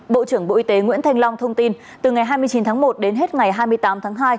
bộ trưởng bộ y tế nguyễn thanh long thông tin từ ngày hai mươi chín tháng một đến hết ngày hai mươi tám tháng hai